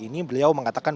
ini beliau mengatakan